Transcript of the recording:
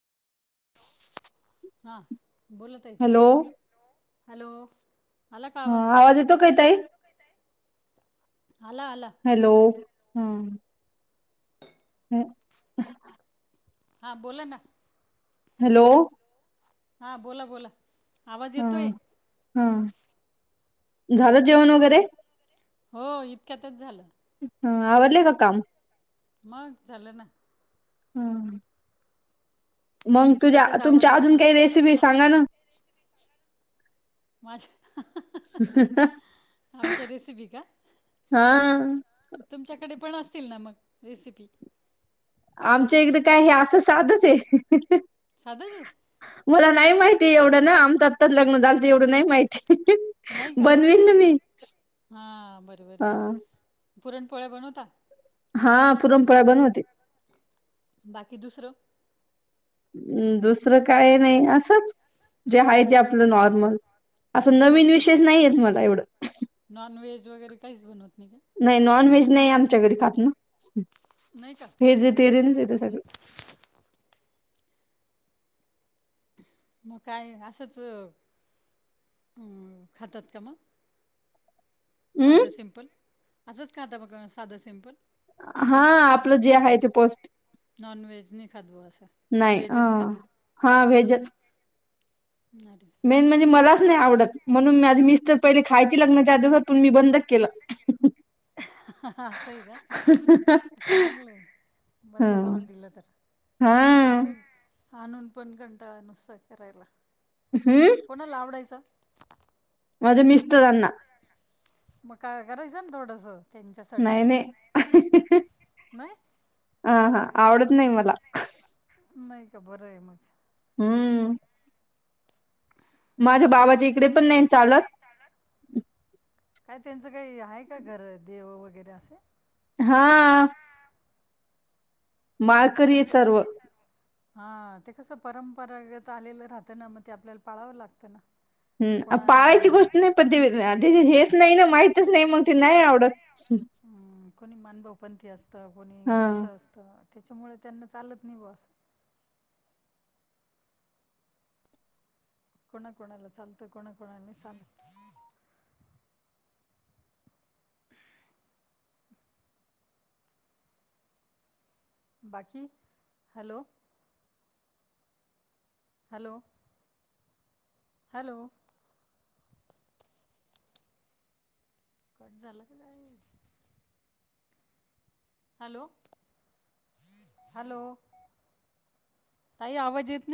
हा बोला ताई. Hello hello. आला का हा आवाज. येतो काय ताई आवाज येतो काय ताई?. आला आला. हॅलो. ह. हम्म. हा बोला ना. हॅलो. हां बोला बोला. आवाज येतोय हं हं झालं जेवण वगैरे. हो इतक्यातच झालं. ह आवरले का काम? मग झालं ना. हं! मंग तुझ्या इतक्यातच तुमच्या आवरलं अजून काही रेसिपी सांगा ना? माझं. [inaudible] आमच्या रेसिपी का? हा तुमच्याकडे पण असतील ना मग रेसिपी. आमच्या इकडें काय हे असं साधच हे. साधंच आहे मला नाही माहिती एवढं ना, आमचं आत्ताच लग्न झालत एवढं नाही माहिती. नाही का बनवील ना मी. हां बरबरं ये पुरणपोळ्या बनवता? हा! पुरणपोळ्या बनवते बाकी दुसरं? दुसरं काय नाही असंच. जे आहे ते आपलं नॉर्मल असं नवीन विशेष नाहीयेत मला एवढं. नॉन व्हेज वगैरे काहीच बनवत नाही का? नही नॉन व्हेज नही आमच्याघरी खात ना. नही का. व्हेजेटेरियन्स हे ते सगळ. मग काय असंच. खातात का म अम साधं सिंपल. असंच खाता मग साधं सिम्पल. हा आपलं जे आहे ते पोस्ट. नॉन वेज नही खात बॉ असं. नाही अ व्हेजच खातात. हा व्हेजच. अरे मेन चांगलं आहे म्हणजे ना मग. मलाच नही आवडत. म्हणून माझी मिस्टर पहिले खायची लग्नच्या आदूगर पन मी बंद केलं. असं हे का चांगलंय. ह बंद करून दिलं तर हा काय ते आणून पण कंटाळा नुसता करायला. हूं! कोणाला आवडायचं. माज्या मिस्टरांना. मग काय करायच ना थोडस. नाही, नाही नाही? अं हा आवडत नाही मला. नाही का बरय मग. हूं! माझ्या बाबाच्या इकडे पण नाही न चालत. काय त्यांचं काही आहे का घर, देव वगैरे असे. हा! माळकरी सर्व. हा, ते कसं परंपरागत आलेलं राहतं ना, मग ते आपल्याला पाळावं लागतं ना. हम्, कोणा पाळायची मान गोष्ट नाही, पण ती- [unintelligible] हेच नाही ना, माहितच नाही, मग ते नाही आवडत. कोणी मानभवपंथी असतं, कोणी हां. कसं असतं, त्याच्यामुळे त्यांना चालत नाही बुवा असं. कोणा-कोणाला चालत, कोणा-कोणाला नाही चालत. [inaudible] बाकी? हॅलो? Hello, hello? कट झालं का नाही? हॅलो? हॅलो? ताई आवाज येत नाही.